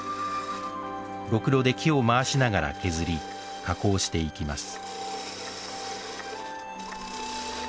ろくろで木を回しながら削り加工していきます。